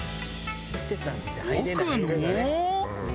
奥の。